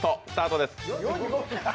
スタートです。